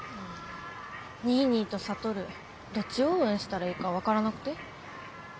ニーニーと智どっちを応援したらいいか分からなくて。